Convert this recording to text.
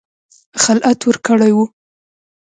خلعت ورکړی وو.